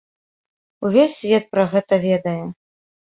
Увесь свет пра гэта ведае.